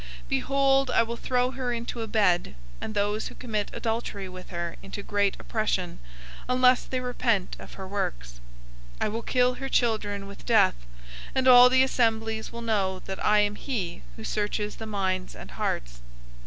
002:022 Behold, I will throw her into a bed, and those who commit adultery with her into great oppression, unless they repent of her works. 002:023 I will kill her children with Death, and all the assemblies will know that I am he who searches the minds and hearts.